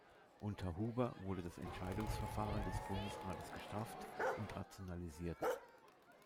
Unter Huber wurde das Entscheidungsverfahren des Bundesrates gestrafft und rationalisiert.